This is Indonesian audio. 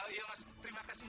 iya mas terima kasih